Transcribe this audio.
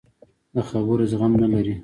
د خبرو زغم نه لري.